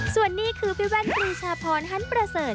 ส่วนนี้คือพี่แว่นปรีชาพรฮันประเสริฐ